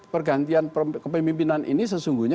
pergantian kepemimpinan ini sesungguhnya